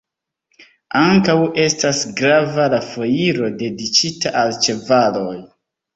Ankaŭ estas grava la Foiro dediĉita al ĉevaloj.